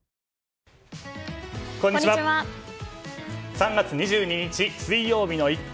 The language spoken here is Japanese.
３月２２日水曜日の「イット！」